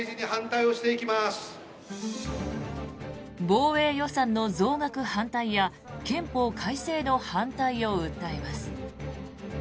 防衛予算の増額反対や憲法改正の反対を訴えます。